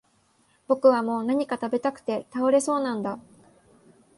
僕はもう何か喰べたくて倒れそうなんだ